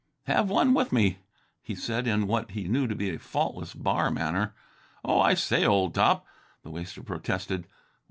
"Have one with me," he said in what he knew to be a faultless bar manner. "Oh, I say old top," the waster protested.